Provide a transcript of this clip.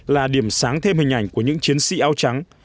là điểm sáng thêm hình ảnh của những chiến sĩ áo trắng